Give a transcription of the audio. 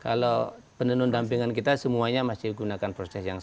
kalau penenun dampingan kita semuanya masih gunakan proses yang sama